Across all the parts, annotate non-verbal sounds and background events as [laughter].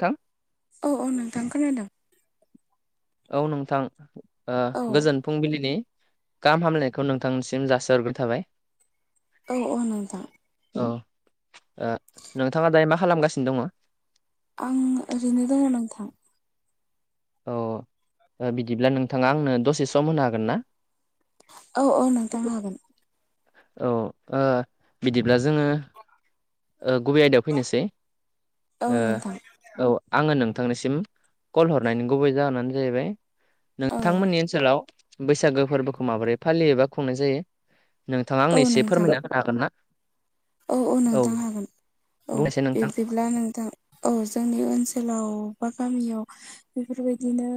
थां औ औ नोंथां खोनादों औ नोंथां ओ औ गोजोन फुंबिलिनि गाहाम हामलायनायखौ नोंथांनिसिम जासिहरग्रोनाय थाबाय औ औ नोंथां औ ओ नोंथाङा दायो मा खालामगासिनो दङ आं ओरैनो दङ नोंथां औ ओ बिदिब्ला नोंथाङा आंनो दसे सम होनो हागोन ना औ औ नोंथां हागोन औ ओ बिदिब्ला जोङो ओ गुबै आयदायाव फैनोसै औ नोंथां औ आङो नों नोंथांनिसिम कल हरनायनि गुबै जाहोनानो जाहैबाय औ नोंथांमोननि ओनसोलाव बैसागो फोरबोखौ माबोरै फालियोबा खुंनाय जायो नोंथाङा आंनो औ एसे नोंथां फोरमायना होनो हागोन ना औ औ नोंथां हागोन औ बुंनायसाय नोंथां बिब्दिब्ला नोंथां औ जोंनि ओनसोलाव बा गामियाव बेफोरबायदिनो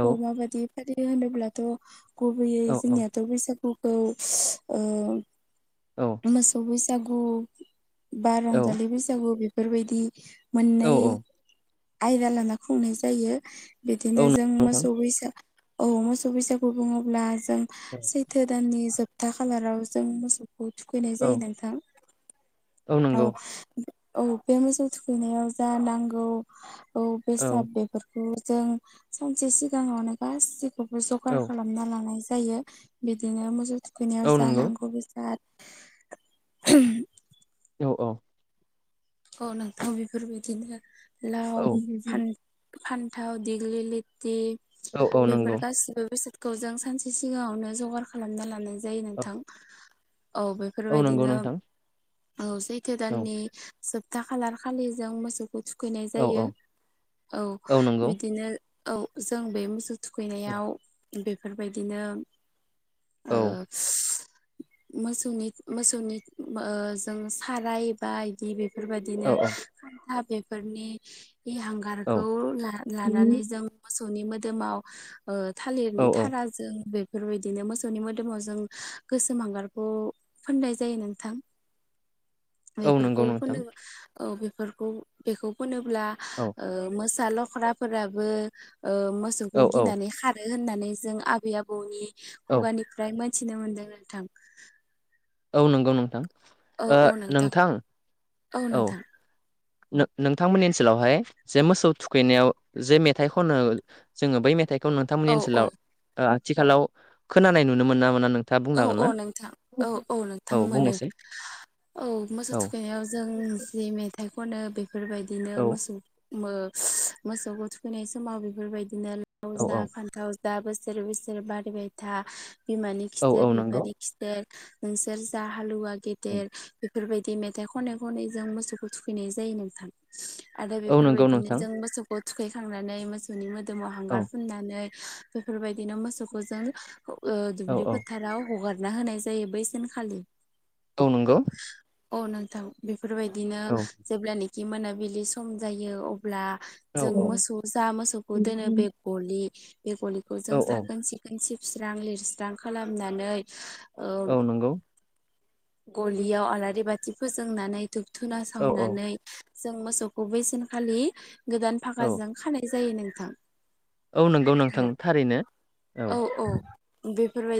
औ माबायदि फालियो होनोब्ला थ' गुबैयै औ औ जोंनियाथ' बैसागुखौ औ मोसौ बैसागु बा औ रंजालि बैसागु बेफोरबायदि औ मोननै औ आयदा लाना खुंनाय जायो बिदिनो औ जों नोंथां मोसौ बैसा औ मोसौ बैसागु बुङोब्ला जों औ सैथो दाननि जोबथा खालाराव जों मोसौखौ थुखैनो जायो औ नोंथां औ औ बे मोसौ थुखैनायाव जा नांगौ औ बेसाब बेफोरखौ जों सानसे सिगाङावनो गासैखौबो औ जगार खालामना लानाय जायो जायो बिदिनो मोसौ थुखैनायाव औ नंगौ जानांगौ बेसाद [unintelligible] औ औ औ नोंथां बेफोरबायदिनो औ लाव फान फान्थाव देग्लि लेथि औ औ नंगौ बेफोर गासिबो बेसाद खौ जों सानसे सिगाङावनो जगार खालामना लानाय जायो औ नोंथां औ औ नंगौ बेफोरबायदिनो नोंथां औ सैथो औ दाननि जोबथा खालार खालि जों मोसौखौ थुखैनाय औ औ जायो औ बिदिनो औ जों बे मोसौ औ थुखैनायाव बेफोरबायदिनो औ मोसौनि मोसौनि जों साराय बा बिदि बे औ बेफोरबायदिनो खान्था बेफोरनि बे औ हांगारखौ लानानै जों मोसौनि मोदोमाव ओ औ थालिरनि थाराजों बे बेफोरबायदिनो मोसौनि मोदोमाव जों गोसोम हांगारखौ फोननाय जायो नोंथां [inaudible] औ बेफोरखौ नंगौ नोंथां फोनोबाऔ बेफोरखौ बेखौ फोनोब्ला औ ओ मो फिसा लख्राफोराबो औ मोसौखौ औ गिनानै खारो होननानै जों आबै आबौनि औ खुगानिफ्राय मोनथिनो मोनदों नोंथां। औ नंगौ नोंथां औ औ नोंथां औ नोंथांमोननि ओनसोलावहाय जे मोसौ थुखैनायाव जे मेथाइ खनो जोङो बै मेथाइ नोंथांमोननि औ औ ओनसोलाव आथिखालाव खोनानाय नुनो मोन ना मोना नों औ औ नोंथां औ औ नोंथां मोनो। औ मोसौ औ थुखैनायाव जों जि मेथाइ खनो बेफोरबायदिनो औ मोसौ मोसौखौ थुखैनाय समाव बेफोरबायदिनो फथाव औ जा फानथाव जा बोसोर बोसोर बारबाय था बिमानि औ गिदेर औ नंगौ बिबारि खिदेर नोंसोर जा हालुवा गेदेर औ बेफोरबायदि मेथाइ खनै खनै जों मोसौखौ थुखैनाय जायो नोंथां। आरो नंगौ बेफोरबायदिनो नोंथां जों मोसौखौ थुखैखांनानै मोसौनि मोदोमाव औ हांगार फुननानै बेफोरबायदिनो मोसौखौ जों औ दुब्लि औ याव हगारना होनाय जायो बैसानखालि। औ नोंगौ। औ नोंथां बेफोरबायदिनो जेब्लानाखि मोनाबिलि सम जायो अ अब्ला औ जों मोसौ जा मोसौखौ दोनो बे गलि बेगलिखौ औ जों औ साखोन सिखोन सिबस्रां लिरस्रां खालामनानै ओ औ नंगौ। गलियाव आलारि बाथि फोजोंनानै धुुबधुना औ औ सावनानै जों मोसौखौ बैसेनखालि गोदान औ फाखाजों खानाय जायो नोंथां। औ नंगौ औ नोंथां थारैनो। औ औ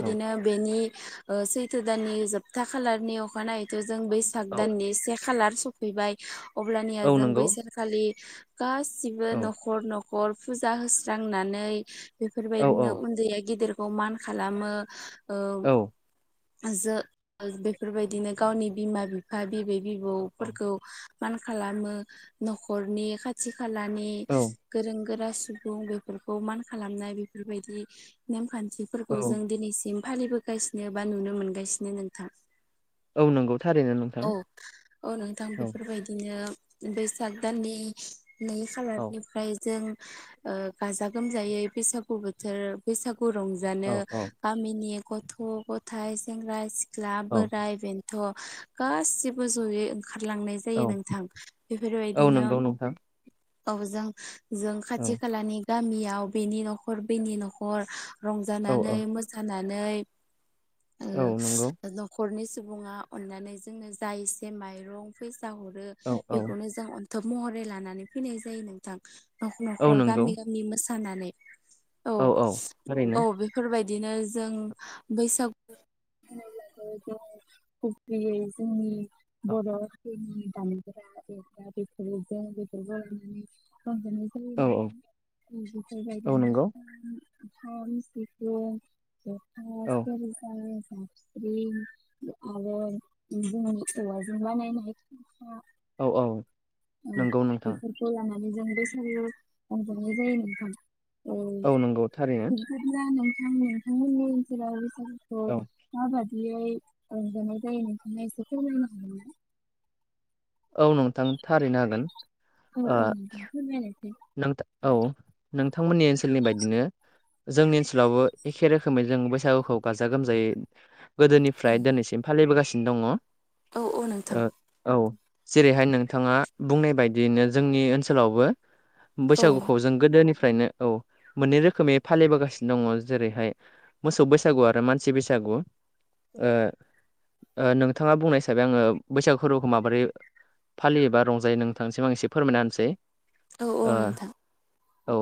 औ बे बेनि ओ सैथो दाननि जोबथा खालारनि अखानायैथ' जों बैसाग औ दाननि से खालार सफैबाय अब्लानिया औ जों नंगौ बैसागखालि गासिबो औ न'खर न'खर फुजा होस्रांनानै औ बेफोरबायदिनो उन्दैया गिदिरखौ मान खालामो ओ औ जो बेफोरबायदिनो गावनि बिमा बिफा बिबै औ बिबौफोरखौ मान खालामो न'खरनि खाथि खालानि औ गोरों गोरा सुबुं बेफोरखौ मान खालामनाय बेफोरबायदि नेमखान्थिफोरखौ जों दिनैसिम फालिबोगासिनो बा नुनो मोनगासिनो नोंथां। औ नंगौ थारैनो नोंथां औ औ नोंथां बेफोरबायदिनो बैसाग दाननि नै औ खालारनिफ्राय जों गाजा गोमजायै बैसागु बोथोर बैसागु औ रंजानो औ गामिनि गथ' गथाइ, सेंग्रा सिख्ला, औ बोराइ बेन थ' गासिबो जयै ओंखारलांनाय जायो औ नोंथां औ बेफोरबायदिनो नंगौ नोंथां औ जों जों औ खाथि खालानि गामियाव बेनि न'खर बेनि न'खर औ रंजानानै औ मोसानानै औ नंगौ ओ न'खरनि सुबुङा अननानै जोंनो जा एसे माइरं फै--ण उम उम सा हरो औ औ बेखौनो जों अन्थब महरै लानानै फैनाय जायो नोंथां। नखर औ न'खर नंगौ गामि गामि मोसानानै औ औ बेफोरबाय दिनो जों बैसागु खख्रि जनि औ बद दालग [inaudible] बेथ ज बेथ जनानै औ [unintelligible] रजनाय जायोबायदि औ नंगौ [unintelligible] खाम, सिफुं, जथा, औ सेर्जा जाबस्रिं आरो औवाजों बानायनाय औ औ ओ नंगौ नोंथां बेफोरखौ [unintelligible] रंजानाय जायो नोंथां औ नंगौ था बिबदिब्ला नोंथां नोंथांमोननि ओनसोलाव बैसागुखौ औ माबादि यै रंजानाय जायो नोंथाङा एसे फोरमायना होनो हागोनना? औ नोंथां थारैनो हागोन। औ औ नोंथां फोरमायनायसाय नोंथां औ नोंथांमोननि ओनसोलनि बायदिनो जोंनि ओनसोलावबो एखे रोखोमै जों बैसागुखौ गाजा गोमजायै गोदोनिफ्राय दिनैसिम फालिबोगासिनो दङ। औ औ नोंथां ओ औ जेरैहाय नोंथाङा बुंनाय बायदियैनो जोंनि ओनसोलावबो औ बैसागुखौ जों गोदोनि फ्रायनो औ मोननै रोखोमै फालिबोगासिनो दङ जेरैहाय मोसौ बैसागु आरो मानसि बैसागु नंगौ ओ नोंथाङा बुंनाय हिसाबै आङो बैसागु फोरबोखौ माबोरै फालियोबा रंजायो नोंथांनिसिम एसे फोरमायना होनोसै औ औ ओ नोंथां औ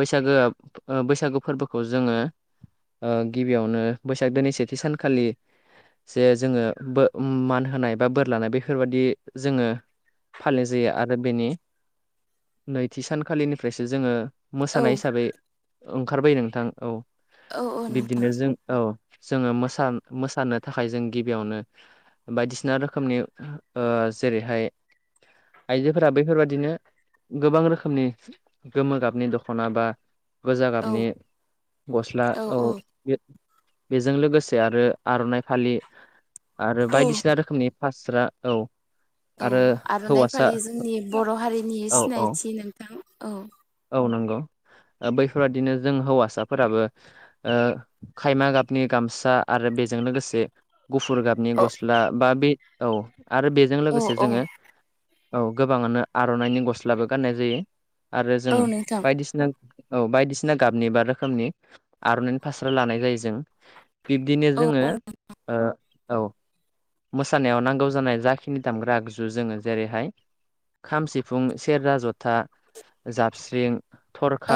बैसागोआ बैसागु फोरबोखौ जोङो ओ गिबियावनो बैसागोनि सेथि सानखालि जे जोङो बो मान होनाय बा बोर लानाय बेफोरबायदि जोङो फालि जायो आरो बेनि नैथि सानखालिनिफ्रायसो जोङो औ मोसानाय हिसाबै ओंखारबाय नोंथां औ औ औ नोंथां बिब्दिनो जों औ जोङो मोसा मोसानो थाखाय जों गिबियावनो बायदिसिना रोखोमनि ओ जेरैहाय आइजोफोरा बैफोरबादिनो गोबां रोखोमनि गोमो गाबनि दख'ना बा गोजा औ गाबनि गस्ला औ बेजों लोगोसे आरो आर'नाइ फालि आरो औ बायदिसिना रोखोमनि फास्रा औ औ आरो आर'नाइ हौवासा फालि जोंनि बर' हारिनि औ औ सिनायथि नोंथां औ [inaudible] बैफोरबायदिनो जों हौवासाफोराबो खायमा गाबनि गामसा आरो बे जों लोगोसे गुफुर गाबनि औ गस्ला बा बे औ आरो बेजों औ लोगोसे औ जोङो औ गोबाङानो आर'नाइनि गस्लाबो गाननाय जायो आरो जों औ नोंथां बायदिसिना औ बायदिसिना गाबनि बा रोखोमनि आर'नाइनि फास्रा लानाय जायो जों बिब्दिनो औ जोङो औ ओ औ मोसानायाव नांगौ जानाय जाखिनि दामग्रा आगजु जोङो जेरैहाय खाम सिफुं सेरजा जथा जाबस्रिं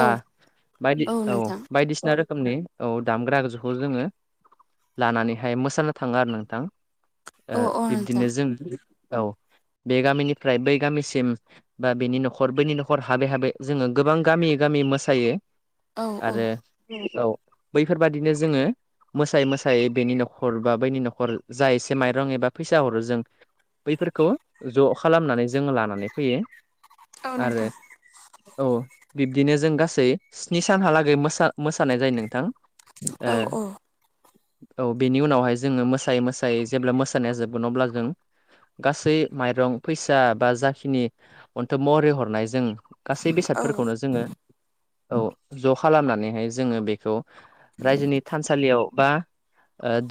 औ बायदि औ बायदिसिना रो रोखोमनि औ दामग्रा गोगजुखौ जोङो लानानैहाय मोसानो थाङो आरो नोंथां। औ औ नोंथां बिब्दिनो जों औ बे गामिनिफ्राय बै गामिसिम बा बेनि न'खर बैनि न'खर हाबै हाबै जोङो गोबां गामि गामि मोसायो। औ औ आरो औ बैफोरबादिनो जोङो मोसायै मोसायै बेनि न'खर बा बैनि न'खर जा एसे माइरं एबा फैसा हरो जों बैफोरखौ ज' खालामनानै जोङ लानानै फैयो। औ आरो नोंथां औ बिब्दिनो जों गासै स्नि सानहालागै मोसा मोसानाय जायो नोंथां। औ औ औ बेनि उनावहाय जोङो मोसायै मोसायै जेब्ला मोसानाया जोबगोन अब्ला जों। गासै माइरं फैसा बा जाखिनि अन्थेब महरै हरनाय जों गासै औ बेसादफोरखौनो जोङो। औ ज' खालामनानैहाय जोङो बेखौ रायजोनि थानसालियाव बा।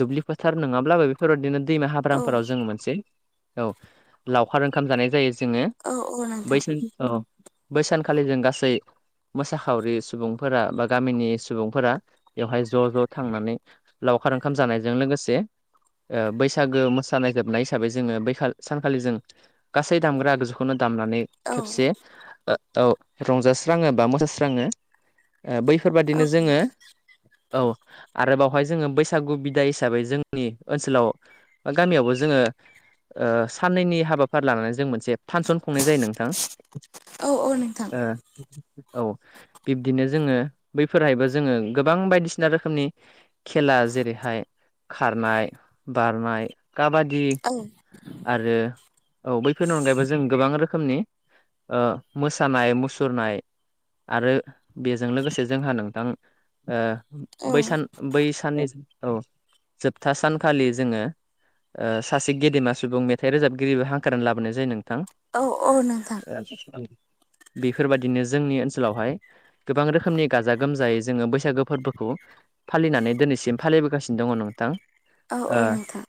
दुब्लि फोथार नङाब्लाबो बेफोर बिदिनो दैमा हाब्रांफोराव जों मोनसे। औ लावखार ओंखाम जानाय जायो जोङो औ औ नोंथां बैसो औ। बैसानखालि जों गासै मोसाखावरि सुबुंफोरा बा गामिनि सुबुंफोरा बेवहाय ज' ज' थांनानै लाव लावखार ओंखाम जानायजों लोगोसे बैसागो मोसानाय जोबनाय हिसाबै जोङो बै सानखालि जों गासै दामग्रा-आगजु दामनानै औ खेबसे औ रंजास्राङो बा मोसास्राङो बैफोर औ बादिनो जोङो औ आरो बावहाय जोङो बैसागु बिदा हिसाबै जोंनि ओनसोलाव बा गामियावबो जोङो। साननैनि हाबाफारि लानानै जों मोनसे। फांसन खुंनाय जायो नोंथां। औ औ नोंथां औ बिब्दिनो जोङो बैफोरहायबो जोङो गोबां बायदिसिना रोखोमनि खेला। जेरैहाय खारनाय बारनाय काबादि। औ आरो औ बैफोरनि अनगायैबो जों गोबां रोखोमनि मोसानाय मुसुरनाय। आरो बेजों लोगोसे जोंहा नोंथां। बैसान बैसानजों [unintelligible] औ जोबथा सानखालि जोङो सासे गेदेमा सुबुं मेथाइ रोजाबगिरिबो हांख्रनानै लाबोनाय जायो नों औ औ नोंथां। बेफोरबायदिनो जोंनि ओनसोलावहाय गोबां रोखोमनि गाजा गोमजायै जोङो बैसागो फोरबोखौ। फालिनानै दिनैसिम फालिबोगासिनो दङ' नोंथां। औ अ ओ नोंथां।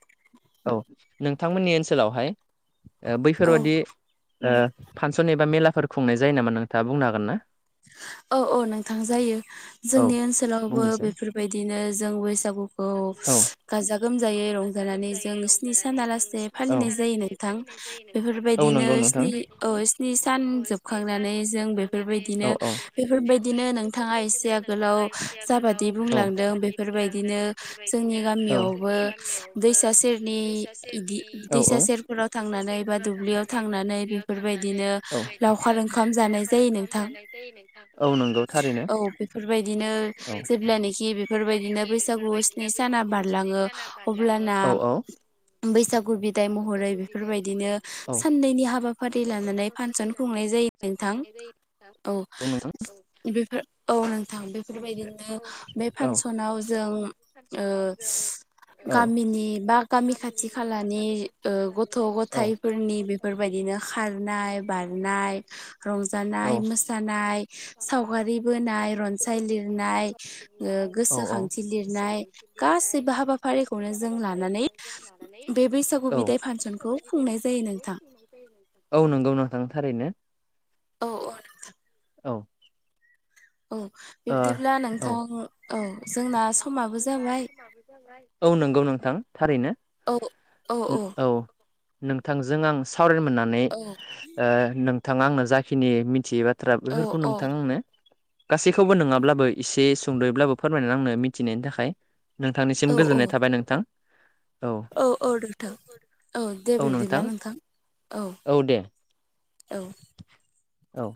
औ नोंथांमोननि ओनसोलावहाय ओ औ बैफोरबादि। ओ फानसन एबा मेलाफोर खुंनाय जायो नामा नोंथाङा बुंनो हागोन ना? [inaudible] औ औ नोंथां जायो औ जोंनि ओनसोलावबो बुंनोसै बेफोर बायदिनो जों बैसागुखौ। गाजा गोमजायै रंजानानै जों स्नि साना लासे फालिनाय जायो नोंथां बेफोर बायदिनो स्नि औ स्नि सान जोबखांनाय नानै जों बेफोर बायदिनो बेफोर बायदिनो नोंथाङा एसे आगोलाव जाबादि बुंलांदों बेफोर बायदिनो जोंनि गामियावबो दैसा सेरनि दैसा सेरफोराव थांनानै बा दुब्लियाव थांनानै बेफोर बायदिनो लावखार ओंखाम ओंखाम जानाय जायो नोंथां। औ नंगौ थारैनो। औ बेफोर बायदिनो जेब्लानोखि बेफोर बायदिनो बैसागु स्नि साना बारलाङो अब्ला ना बैसाग बैसागु बिदाय महरै बेफोर बायदिनो औ साननैनि हाबाफारि लानानै फानसन खुंनाय जायो नोंथां खुंनाय जायो नोंथां। औ। बेफोर औ नोंथां बेफोर बायदिनो बे फानसनाव जों ओ फानसनाव जों गामिनि बा गामि खाथि खालानि। नि ओ गथ' गथाइफोरनि गथ' बेफोर गथायफोरनि बायदिनो खारनाय बारनाय बेफोरबायदिनो औ रंजानाय मोसा नाय सावगारि बोनाय रनसाय लिरनाय गोसोखांथि लिरनाय गोसोखान्थि लिरनाय गासैबो हाबाफारिखौनो गासैबो जों लानानै हाबाफारिखौनो जों लानानै बे बैसागु औ बिदाय फांसनखौ खुंनाय जायो नोंथां औ नंगौ नों थां थारैनो औ अ नोंथा औ औ ओ बिबदिब्ला नोंथां औ जोंना समाबो जाबाय जों औ नंगौ नोंथां थारैनो। औ औ औ नोंथांजों आं सावरायनो मोननानै औ ओ नोंथाङा आंनो जाखिनि मिथियै बा थ्रा औ बेफोरखौ नोंथां आंनो गासैखौबो नङाब्लाबो एसे सुंद'यैब्लाबो फोरमायनानै आंनो मि मिथिनायनि थाखाय औ नोंथांनिसिम गोजोननाय थाबाय नोंथां। औ औ नोंथां। औ दे बिब्दिब्ला नोंथां औ औ औ